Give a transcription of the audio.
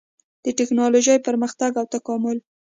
د ټېکنالوجۍ پرمختګ او تکامل